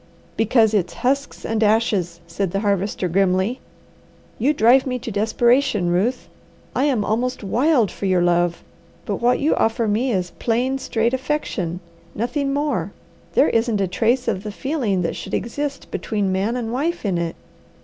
"Because it's husks and ashes," said the Harvester grimly. "You drive me to desperation, Ruth. I am almost wild for your love, but what you offer me is plain, straight affection, nothing more. There isn't a trace of the feeling that should exist between man and wife in it.